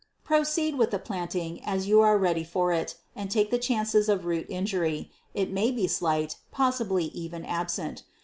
Proceed with the planting, as you are ready for it, and take the chances of root injury. It may be slight; possibly even absent.